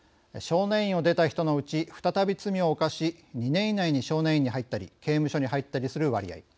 少年院を出た人のうち再び罪を犯し２年以内に少年院に入ったり刑務所に入ったりする割合